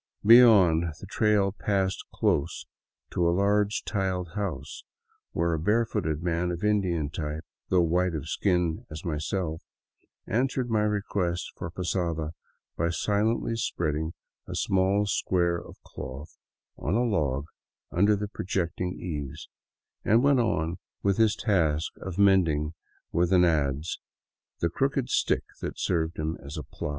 Beyond, the trail passed close to a large tiled house where a bare foot man of Indian type, though white of skin as myself, answered my request for posada by silently spreading a small square of cloth on a log under the projecting eaves, and went on with his task of mending with an adz the crooked stick that served him as plow.